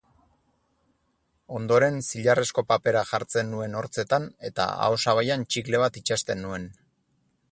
Ondoren, zilarrezko papera jartzen nuen hortzetan eta ahosabaian txikle bat itsasten nuen.